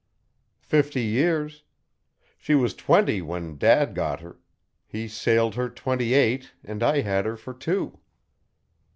"Fifty years. She was twenty when dad got her he sailed her twenty eight and I had her for two."